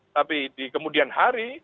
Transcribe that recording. tapi di kemudian hari